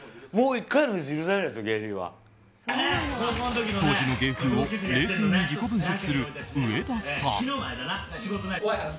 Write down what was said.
当時の芸風を冷静に自己分析する上田さん。